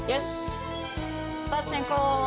出発進行。